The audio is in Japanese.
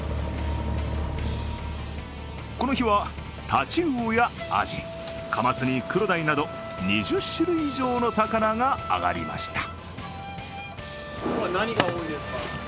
この日はタチウオやアジ、カマスにクロダイなど２０種類以上の魚があがりました。